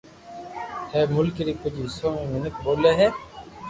ھي ملڪ ري ڪجھ حصو ۾ ميينک ٻولي ھي